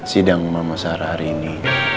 sidang mama sarah hari ini